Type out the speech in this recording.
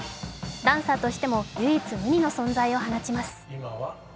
ダンサーとしても唯一無二の存在を放ちます。